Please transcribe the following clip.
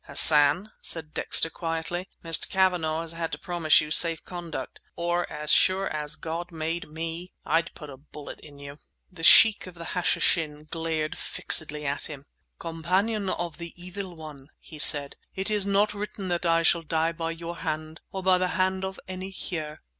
"Hassan," said Dexter quietly, "Mr. Cavanagh has had to promise you safe conduct, or as sure as God made me, I'd put a bullet in you!" The Sheikh of the Hashishin glared fixedly at him. "Companion of the evil one," he said, "it is not written that I shall die by your hand—or by the hand of any here.